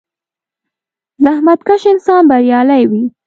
• زحمتکش انسان بریالی وي.